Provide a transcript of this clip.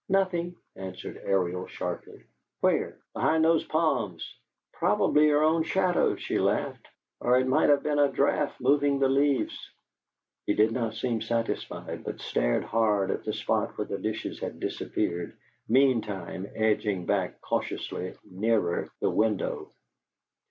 "Nothing," answered Ariel, sharply. "Where?" "Behind those palms." "Probably your own shadow," she laughed; "or it might have been a draught moving the leaves." He did not seem satisfied, but stared hard at the spot where the dishes had disappeared, meantime edging back cautiously nearer the window.